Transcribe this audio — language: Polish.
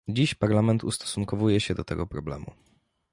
Dziś Parlament ustosunkowuje się do tego problemu